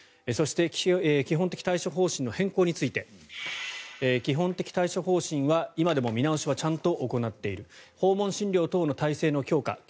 そして基本的対処方針の変更について基本的対処方針は今でも見直しはちゃんと行っている訪問診療等の体制の強化